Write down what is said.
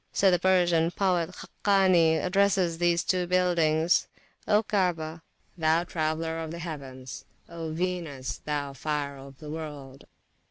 So the Persian poet Khakani addresses these two buildings: O Kaabah, thou traveller of the heavens! O Venus, thou fire of the world!